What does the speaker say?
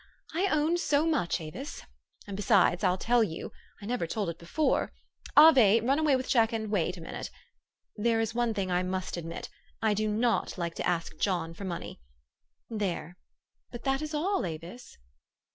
I own so much, Avis. And besides I'll tell you I never told it before (Ave, run away with Jack and Wait, a minute) , there is one thing I must admit : I do not like to ask John for money. There ! But that is all, Avis."